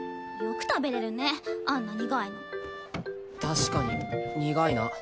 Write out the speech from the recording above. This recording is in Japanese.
よく食べれるねあんな苦いの。